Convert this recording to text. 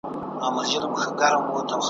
تا ویل چي غشیو ته به ټینګ لکه پولاد سمه ,